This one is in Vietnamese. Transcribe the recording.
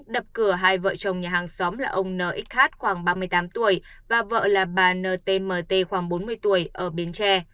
đập cửa hai vợ chồng nhà hàng xóm là ông nxh khoảng ba mươi tám tuổi và vợ là bà ntmt khoảng bốn mươi tuổi ở biến tre